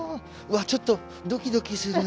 うわっちょっとドキドキする。